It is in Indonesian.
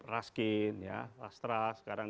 raskin lastras sekarang